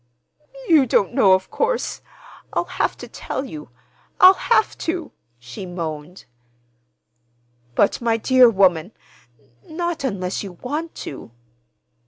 "You don't know, of course. I'll have to tell you—I'll have to," she moaned. "But, my dear woman,—not unless you want to."